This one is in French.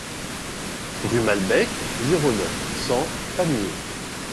Rue Malbec, zéro neuf, cent Pamiers